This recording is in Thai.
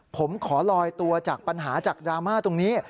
ผมขอลอยตัวจากปัญหาจากดราม่าตรงนี้